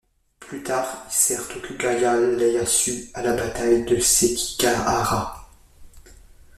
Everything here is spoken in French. Plus tard, il sert Tokugawa Ieyasu à la bataille de Sekigahara.